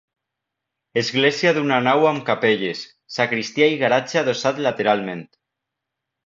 Església d'una nau amb capelles, sagristia i garatge adossat lateralment.